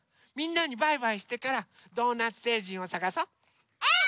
みんなにバイバイしてからドーナツせいじんをさがそう。